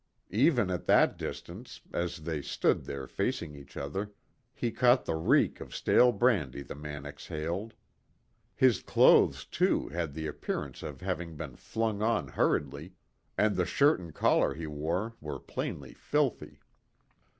Even at that distance, as they stood there facing each other, he caught the reek of stale brandy the man exhaled. His clothes, too, had the appearance of having been flung on hurriedly, and the shirt and collar he wore were plainly filthy.